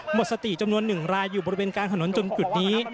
หมดสติจำนวนหนึ่งรายอยู่บริเวณการถนนจนกลุ่มนี้